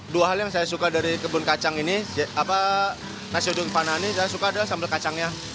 dua hal yang saya suka dari kebun kacang ini nasi uduk fanani saya suka adalah sambal kacangnya